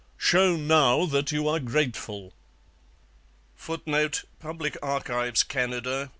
Show now that you are grateful.' [Footnote: Public Archives, Canada.